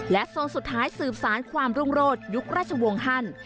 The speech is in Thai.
ทรงสุดท้ายสืบสารความรุ่งโรศยุคราชวงศ์ฮัน